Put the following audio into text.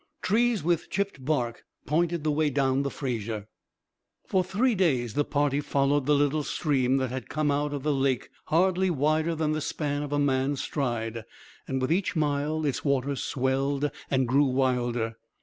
Trees with chipped bark pointed the way down the Fraser. For three days the party followed the little stream that had come out of the lake hardly wider than the span of a man's stride. With each mile its waters swelled and grew wilder.